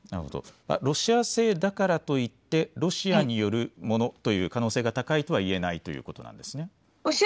ロシア製だからといってロシアによるものということが高いとは言えないということですね。